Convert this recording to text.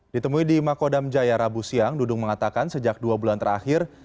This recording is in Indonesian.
ditemui di makodam jaya rabu siang dudung mengatakan sejak dua bulan terakhir